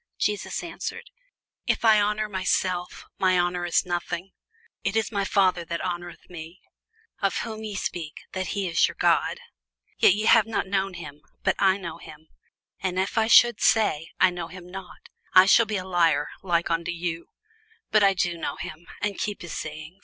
Jesus answered, If I honour myself, my honour is nothing: it is my Father that honoureth me; of whom ye say, that he is your God: yet ye have not known him; but I know him: and if I should say, I know him not, I shall be a liar like unto you: but I know him, and keep his saying.